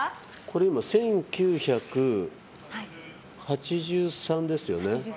今、１９８３ですよね。